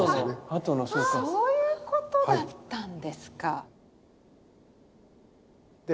そういうことだったんですか！